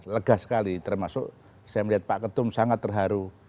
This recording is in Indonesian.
lega sekali termasuk saya melihat pak ketum sangat terharu